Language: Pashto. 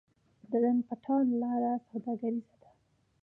د ډنډ پټان لاره سوداګریزه ده